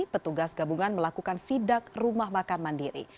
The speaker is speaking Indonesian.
petugas gabungan melakukan sidak rumah makan mandiri